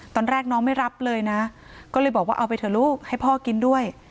ตอนแรกน้องไม่รับเลยนะก็เลยบอกว่าเอาไปเถอะลูกให้พ่อกินด้วย